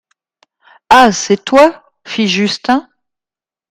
Ah ! c'est toi ? fit Justin.